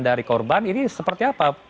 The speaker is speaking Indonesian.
dari korban ini seperti apa